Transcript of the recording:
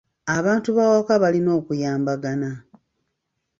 Abantu b'awaka balina okuyambagana.